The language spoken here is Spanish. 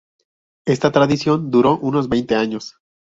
Esta tradición duró unos veinte años.